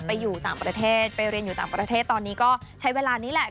อยู่ต่างประเทศไปเรียนอยู่ต่างประเทศตอนนี้ก็ใช้เวลานี้แหละ